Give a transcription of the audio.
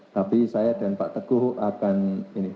tapi saya dan pak teguh akan ini